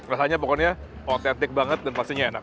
rasanya pokoknya otentik banget dan pastinya enak